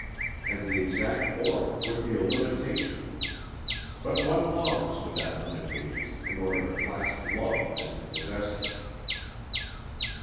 And the exact form would be a limitation. But one longs for that limitation in order to clasp love and to possess it.